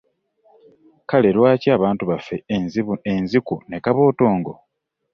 Kale lwaki abantu bafa enziku ne kabotongo?